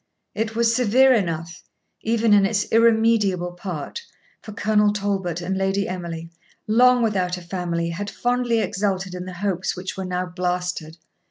It was severe enough, even in its irremediable part; for Colonel Talbot and Lady Emily, long without a family, had fondly exulted in the hopes which were now blasted.